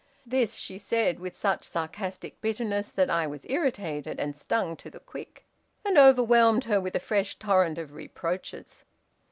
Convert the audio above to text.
"This she said with such sarcastic bitterness that I was irritated and stung to the quick, and overwhelmed her with a fresh torrent of reproaches.